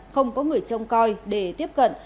không có người trông coi để tiếp cận